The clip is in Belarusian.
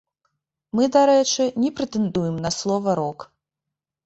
Мы, дарэчы, не прэтэндуем на слова рок.